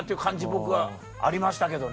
僕はありましたけどね。